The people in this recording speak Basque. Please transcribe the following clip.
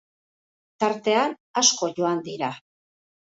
Tartean asko joan dira.